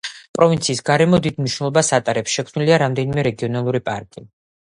პროვინციის გარემო დიდ მნიშვნელობას ატარებს, შექმნილია რამდენიმე რეგიონული პარკი.